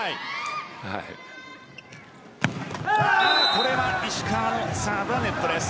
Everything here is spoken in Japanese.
これは石川のサーブはネットです。